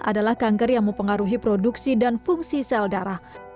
adalah kanker yang mempengaruhi produksi dan fungsi sel darah